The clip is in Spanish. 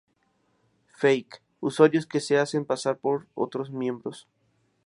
Fake: usuarios que se hacen pasar por otros miembros.